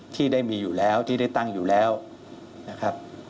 ที่ได้มีอยู่แล้วที่ได้ตั้งอยู่แล้วนะครับ